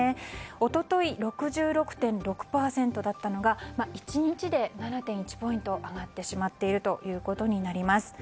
一昨日６６．６％だったのが１日で７．１ポイント上がってしまっていることになります。